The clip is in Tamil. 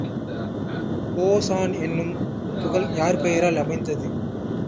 போசான் என்னும் துகள் யார் பெயரால் அமைந்தது?